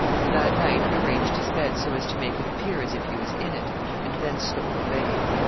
That night he arranged his bed so as to make it appear as if he was in it, and then stole away.